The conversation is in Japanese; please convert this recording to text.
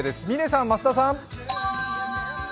嶺さん、増田さん。